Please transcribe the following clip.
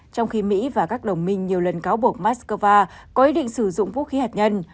trong khi mỹ và các đồng minh nhiều lần cáo buộc moscow có ý định sử dụng vũ khí hạt nhân